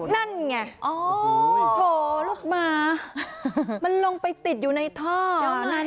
นั่นไงโอ้โหโหลูกหมามันลงไปติดอยู่ในท่อจ้าวมาเนอะ